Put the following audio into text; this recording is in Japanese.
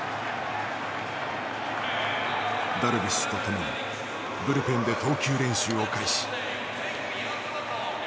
ダルビッシュとともにブルペンで投球練習を開始。